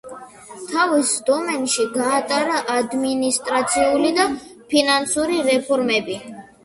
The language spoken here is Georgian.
თავის დომენში გაატარა ადმინისტრაციული და ფინანსური რეფორმები.